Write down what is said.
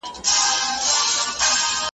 دا کیسې چي دي لیکلي زموږ د ښار دي .